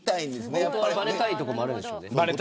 ばれたいところもあるんでしょうね。